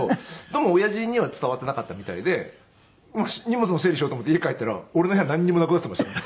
でも親父には伝わってなかったみたいで荷物の整理しようと思って家帰ったら俺の部屋なんにもなくなってましたね。